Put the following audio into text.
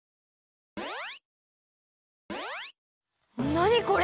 なにこれ！？